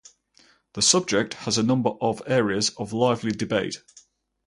The subject has a number of areas of lively debate.